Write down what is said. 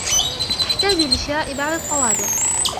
أحتاج لشراء بعض الطوابع.